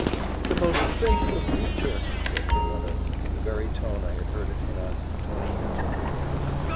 "The most faithful creature!" said my mother, in the very tone I had heard it pronounced twenty years before.